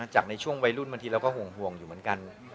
จากในช่วงวัยรุ่นบางทีเราก็ห่วงอยู่เหมือนกัน